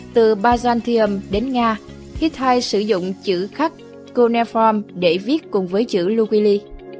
từ byzantium đến nga hittai sử dụng chữ khắc koneform để viết cùng với chữ luquili